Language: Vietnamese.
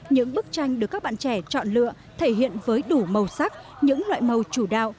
những bức tranh được các bạn trẻ chọn lựa thể hiện với đủ màu sắc những loại màu chủ đạo